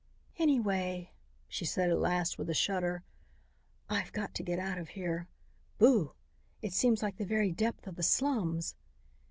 "Anyway," she said at last with a shudder, "I've got to get out of here. Boo! it seems like the very depths of the slums!"